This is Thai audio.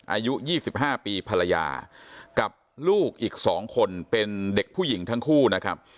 อายุ๒๕ปีภรรยากับลูกอีก๒คนเป็นเด็กผู้หญิงทั้งคู่นะครับ